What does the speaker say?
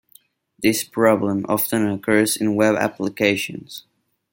This problem often occurs in web applications.